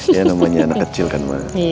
ya namanya anak kecil kan mas